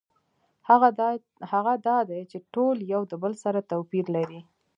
هغه دا دی چې ټول یو د بل سره توپیر لري.